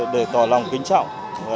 để tỏ lòng kính trọng